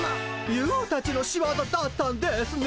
ユーたちの仕業だったんですね！